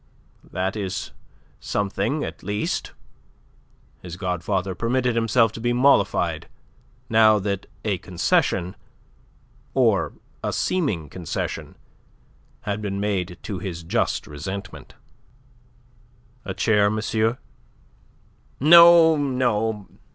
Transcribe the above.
"That is something, at least." His godfather permitted himself to be mollified, now that a concession or a seeming concession had been made to his just resentment. "A chair, monsieur." "No, no.